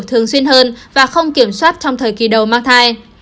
thường xuyên hơn và không kiểm soát trong thời kỳ đầu mang thai